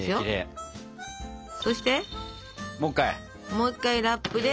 もう一回ラップで。